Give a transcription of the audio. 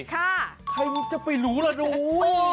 ค่ะโอ๊ยใครมันจะไปหลูละดู